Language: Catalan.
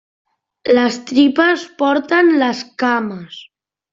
Les tripes porten les cames.